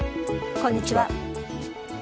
こんにちは。